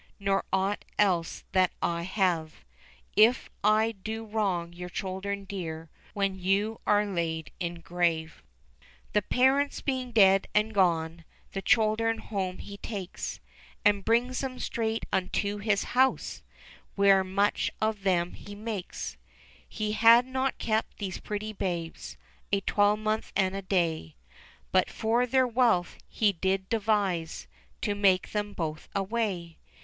Nor aught else that I have, If I do wrong your children dear When you are laid in grave !" 312 ENGLISH FAIRY TALES The parents being dead and gone, The children home he takes, And brings them straight unto his house Where much of them he makes. He had not kept these pretty babes A twelvemonth and a day, But, for their wealth, he did devise To make them both away.